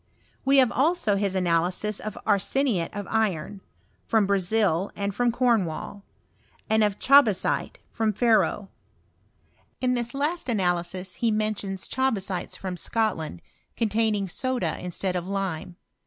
We have also his analysis of arseniate of iron, from Brazil and from Cornwall; and of ohabasite from Ferro. In this last analysis he mentions chabasites from Scotland, containing soda instead of lime.